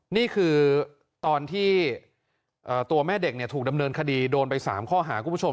นี่คือตอนที่ตัวแม่เด็กถูกดำเนินคดีโดนไป๓ข้อหาคุณผู้ชม